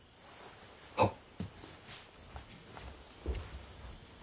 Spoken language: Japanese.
はっ。